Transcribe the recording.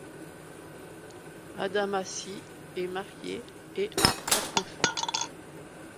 Adama Sy est marié et a quatre enfants.